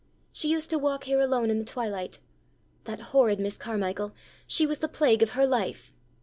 She used to walk here alone in the twilight. That horrid Miss Carmichael! she was the plague of her life!"